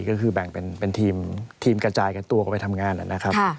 ก็คือแบ่งเป็นทีมกระจายกันตัวก็ไปทำงานนะครับ